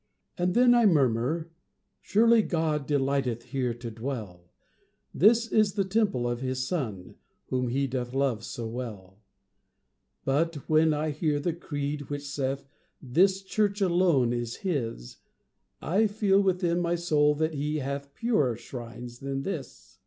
III. And then I murmur, "Surely God Delighteth here to dwell; This is the temple of his Son Whom he doth love so well;" But, when I hear the creed which saith, This church alone is His, I feel within my soul that He Hath purer shrines than this.